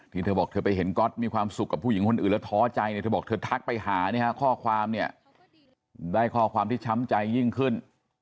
เธอบอกเธอไปเห็นก๊อตมีความสุขกับผู้หญิงคนอื่นแล้วท้อใจเนี่ยเธอบอกเธอทักไปหาเนี่ยฮะข้อความเนี่ยได้ข้อความที่ช้ำใจยิ่งขึ้น